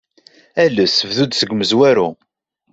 Ales bdu-d seg umezwaru.